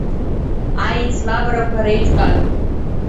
Аицлабрақәа реиҿкааҩ…